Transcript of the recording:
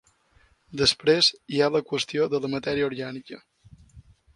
Després hi ha la qüestió de la matèria orgànica.